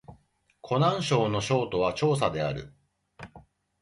湖南省の省都は長沙である